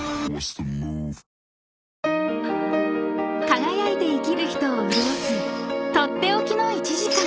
［輝いて生きる人を潤す取って置きの１時間］